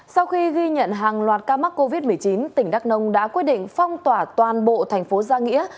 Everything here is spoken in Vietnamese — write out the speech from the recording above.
sau khi ghi nhận hàng loạt ca mắc covid một mươi chín tỉnh đắk nông đã quyết định phong tỏa toàn bộ thành phố gia nghĩa